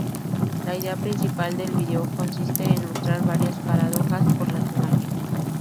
La idea principal del vídeo consiste en mostrar varias paradojas por las imágenes.